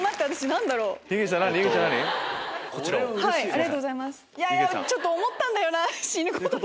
ありがとうございます。